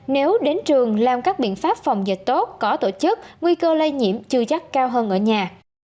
nếu đến trường làm các biện pháp phòng dịch tốt có tổ chức nguy cơ lây nhiễm chưa chắc cao hơn ở nhà